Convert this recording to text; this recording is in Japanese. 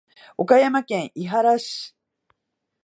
岡山県井原市